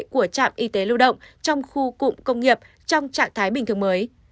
của trạm y tế lưu động trong khu cụm công nghiệp trong trạng thái bình thường mới